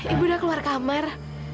ibu udah keluar kamar